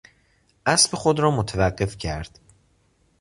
اسب خود را متوقف کرد.